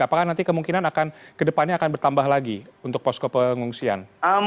apakah nanti kemungkinan akan kedepannya akan bertambah lagi untuk posko pengungsian